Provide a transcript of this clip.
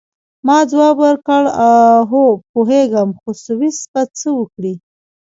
ما ځواب ورکړ: هو، پوهیږم، خو سویس به څه وکړي؟